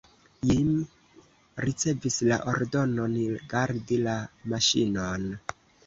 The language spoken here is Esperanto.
Jim ricevis la ordonon gardi la maŝinon.